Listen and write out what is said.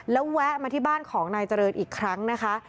แล้วแวะมาที่บ้านของนายเจริญอีกครั้งนะคะ